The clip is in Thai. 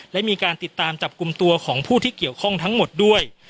และมีการติดตามจับกลุ่มตัวของผู้ที่เกี่ยวข้องทั้งหมดด้วย